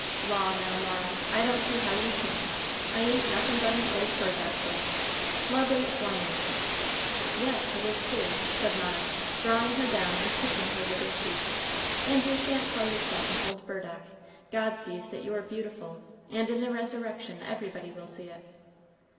"Law now, Mara, I don't see how ye can; I ain't nothin' but an old burdock bush; love ain't for me." "Yes it is too," said Mara, drawing her down and kissing her withered cheek, "and you sha'n't call yourself an old burdock. God sees that you are beautiful, and in the resurrection everybody will see it."